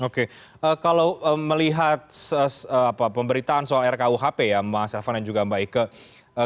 oke kalau melihat pemberitaan soal rkuhp ya mas elvan dan juga mbak ike